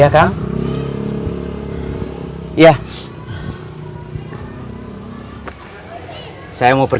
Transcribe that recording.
pasti ada yang mau ngebelin